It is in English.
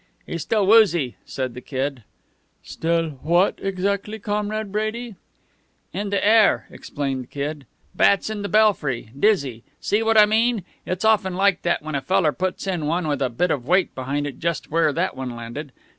"He's still woozy," said the Kid. "Still what exactly, Comrade Brady?" "In the air," explained the Kid. "Bats in the belfry. Dizzy. See what I mean? It's often like that when a feller puts one in with a bit of weight behind it just where that one landed.